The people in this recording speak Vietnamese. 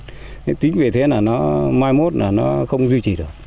thế tính về thế là nó mai mốt là nó không duy trì được